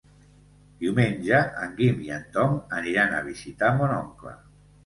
Diumenge en Guim i en Tom aniran a visitar mon oncle.